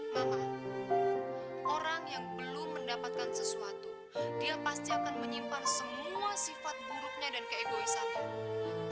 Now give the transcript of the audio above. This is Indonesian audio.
mama orang yang belum mendapatkan sesuatu dia pasti akan menyimpan semua sifat buruknya dan keegoisan